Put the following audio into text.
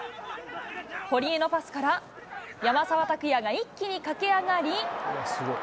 堀江のパスから山沢拓也が一気に駆け上がり。